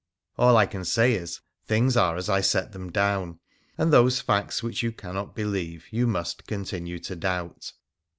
All I can say is, things are as I set them down ; and those facts which you cannot believe you must continue to doubt.